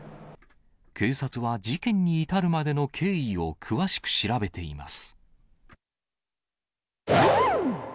警察は事件に至るまでの経緯を詳しく調べています。